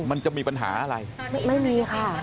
มันจะมีปัญหาอะไรไม่มีค่ะ